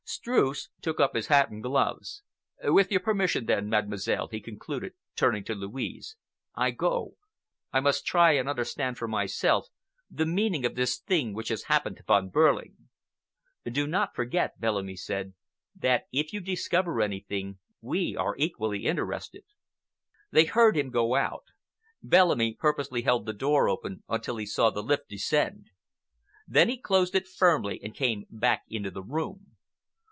Streuss took up his hat and gloves. "With your permission, then, Mademoiselle," he concluded, turning to Louise, "I go. I must try and understand for myself the meaning of this thing which has happened to Von Behrling." "Do not forget," Bellamy said, "that if you discover anything, we are equally interested."... They heard him go out. Bellamy purposely held the door open until he saw the lift descend. Then he closed it firmly and came back into the room.